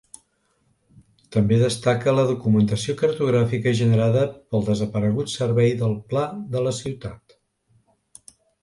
També destaca la documentació cartogràfica generada pel desaparegut Servei del Pla de la Ciutat.